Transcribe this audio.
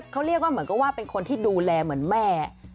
เขาเรียกว่าเหมือนกับว่าเป็นคนที่ดูแลเหมือนแม่